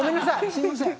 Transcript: すいません。